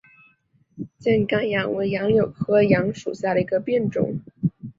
箭杆杨为杨柳科杨属下的一个变种。